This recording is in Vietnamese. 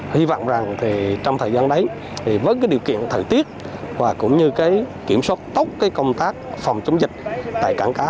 hy vọng rằng trong thời gian đấy với điều kiện thời tiết và kiểm soát tốt công tác phòng chống dịch tại cảng cá